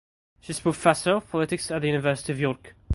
She is Professor of Politics at the University of York.